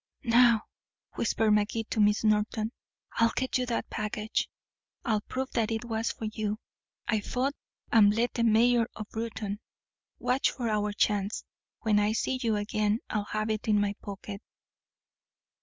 "Now," whispered Magee to Miss Norton, "I'll get you that package. I'll prove that it was for you I fought and bled the mayor of Reuton. Watch for our chance when I see you again I'll have it in my pocket."